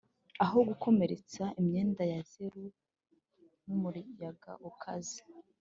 aho, gukomeretsa imyenda ya zeru n'umuyaga ukaze,